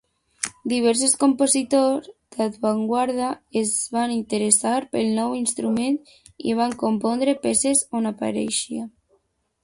Diversos compositors d'avantguarda es van interessar pel nou instrument i van compondre peces on apareixia.